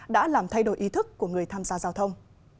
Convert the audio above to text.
đã làm thay đổi ý thức của người tham gia giao thông